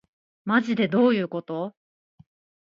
まじでどういうこと